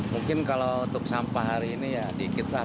mungkin kalau untuk sampah hari ini ya dikit lah